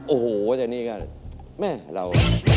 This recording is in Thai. โอ้โหแต่นี่ก็แม่เรา